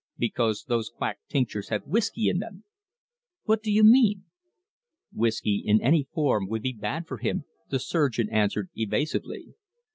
"Because those quack tinctures have whiskey in them." "What do you mean?" "Whiskey in any form would be bad for him," the surgeon answered evasively.